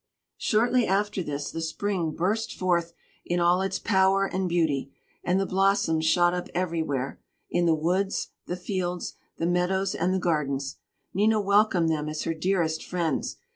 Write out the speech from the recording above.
Shortly after this, the spring burst forth in all its power and beauty, and the blossoms shot up everywhere in the woods, the fields, the meadows, and the gardens. Nina welcomed them as her dearest friends.